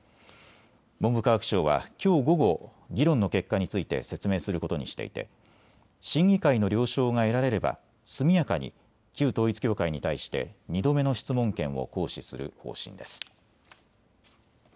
文部科学省はきょう午後、議論の結果について説明することにしていて審議会の了承が得られれば速やかに旧統一教会に対して２度目の質問権を行使する方針です。